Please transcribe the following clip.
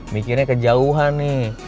mikirnya kejauhan nih